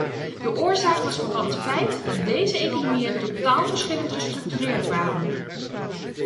De oorzaak was vooral het feit dat deze economieën totaal verschillend gestructureerd waren.